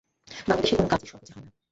বাংলাদেশে কোনো কাজই সহজে হয় না!